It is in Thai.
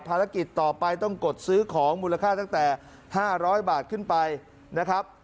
ภารกิจต่อไปต้องกดซื้อของมูลค่าตั้งแต่๕๐๐บาทขึ้นไปนะครับ